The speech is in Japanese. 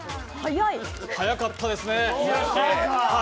早かったですね。